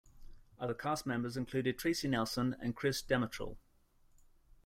Other cast members included Tracy Nelson and Chris Demetral.